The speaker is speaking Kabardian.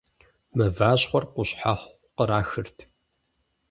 Мыващхъуэр къущхьэхъу кърахырт.